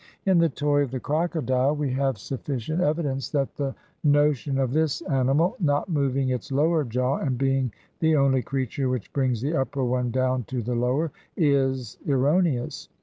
In the toy of the crocodile, 23 EGYPT we have sufficient evidence that the notion of this ani mal ''not moving its lower jaw, and being the only crea ture which brings the upper one down to the lower," is erroneous.